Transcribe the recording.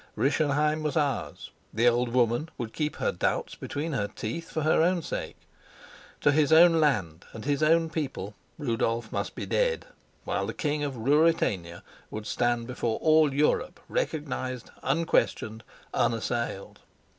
Rischenheim was ours; the old woman would keep her doubts between her teeth for her own sake. To his own land and his own people Rudolf must be dead while the King of Ruritania would stand before all Europe recognized, unquestioned, unassailed.